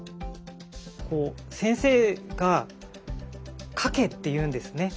先生が描けって言うんですね。